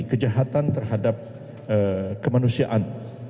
kejahatan terhadap kemanusiaan